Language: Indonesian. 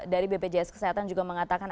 dari bpjs kesehatan juga mengatakan